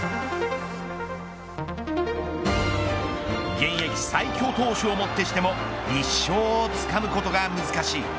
現役最強投手をもってしても一勝をつかむことが難しい。